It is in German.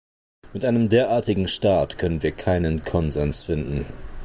Mit einem derartigen Staat können wir keinen Konsens finden.